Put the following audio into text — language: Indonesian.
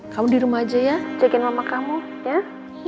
kamu di rumah aja ya cekin mama kamu ya